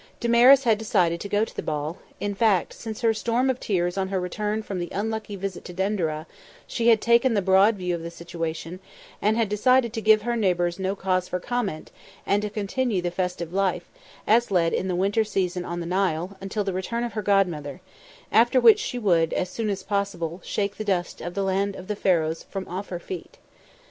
Damaris had decided to go to the ball; in fact, since her storm of tears on her return from the unlucky visit to Denderah she had taken the broad view of the situation and had decided to give her neighbours no cause for comment and to continue the festive life, as led in the winter season on the Nile, until the return of her godmother; after which she would, as soon as possible, shake the dust of the land of the Pharaohs from off her feet.